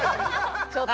ちょっと。